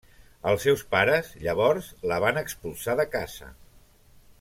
Els seus pares, llavors, la van expulsar de casa.